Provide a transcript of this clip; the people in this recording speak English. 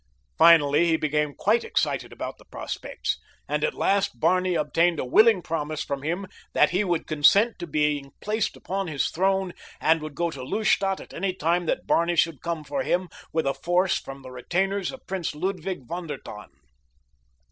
Finally he became quite excited about the prospects, and at last Barney obtained a willing promise from him that he would consent to being placed upon his throne and would go to Lustadt at any time that Barney should come for him with a force from the retainers of Prince Ludwig von der Tann.